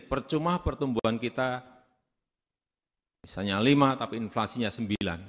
percuma pertumbuhan kita misalnya lima tapi inflasinya sembilan